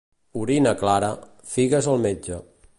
Orina clara, figues al metge.